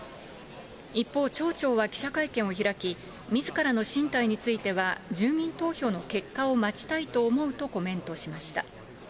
一方、町長は記者会見を開き、みずからの進退については住民投票の結果を待ちたいと思うとコメントしました。